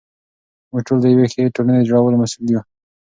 موږ ټول د یوې ښې ټولنې د جوړولو مسوول یو.